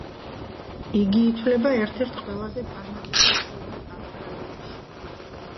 იგი ითვლება ერთ-ერთ ყველაზე წარმატებულ კლუბად ავსტრალიაში.